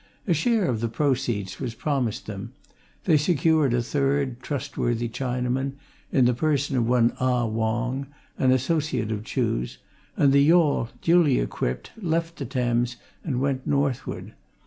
A share of the proceeds was promised them: they secured a third, trustworthy Chinaman in the person of one Ah Wong, an associate of Chuh's, and the yawl, duly equipped, left the Thames and went northward.